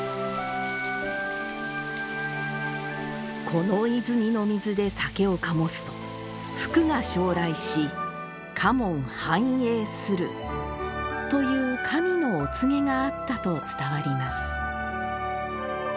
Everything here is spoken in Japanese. この泉の水で酒を醸すと福が招来し家門繁栄するという神のお告げがあったと伝わります